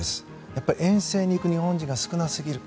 やっぱり遠征に行く日本人が少なすぎる。